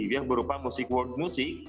yang berupa musik world music